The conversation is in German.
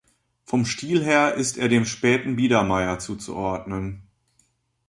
Vom Stil her ist er dem späten Biedermeier zuzuordnen.